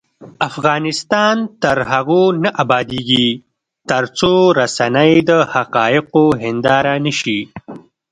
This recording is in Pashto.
افغانستان تر هغو نه ابادیږي، ترڅو رسنۍ د حقایقو هنداره نشي.